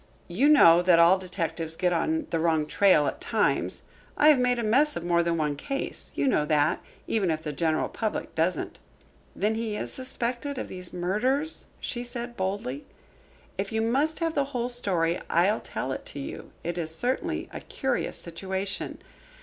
"You know that all detectives get on the wrong trail at times I have made a mess of more than one case you know that, even if the general public doesn't." "Then he is suspected of these murders?" she said boldly. "If you must have the whole story, I'll tell it to you. It is certainly a curious situation.